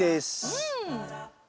うん！